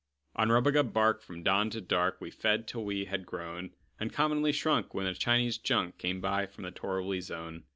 On rubagub bark, from dawn to dark, We fed, till we all had grown Uncommonly shrunk, when a Chinese junk Came by from the torriby zone.